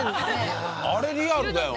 あれリアルだよな。